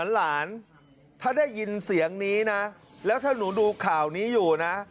หลานถ้าได้ยินเสียงนี้นะแล้วถ้าหนูดูข่าวนี้อยู่นะ